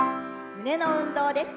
胸の運動です。